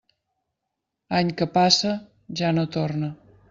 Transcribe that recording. Any que passa, ja no torna.